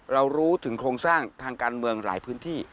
รู้ถึงโครงสร้างทางการเมืองหลายพื้นที่